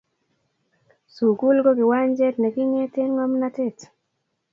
sukul ko kiwanjet ne kingetee ngomnotet